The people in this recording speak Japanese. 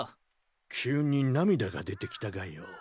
急に涙が出てきたがよ。